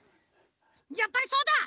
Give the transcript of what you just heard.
やっぱりそうだ！